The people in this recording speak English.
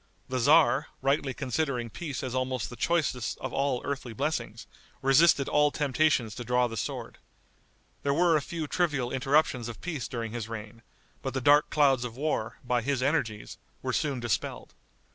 The tzar, rightly considering peace as almost the choicest of all earthly blessings, resisted all temptations to draw the sword. There were a few trivial interruptions of peace during his reign; but the dark clouds of war, by his energies, were soon dispelled.